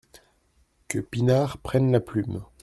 Que Pinard prenne la plume.